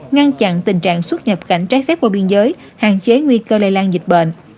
ngăn chặn tình trạng xuất nhập cảnh trái phép qua biên giới hạn chế nguy cơ lây lan dịch bệnh